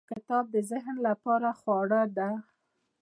• کتاب د ذهن لپاره خواړه دی.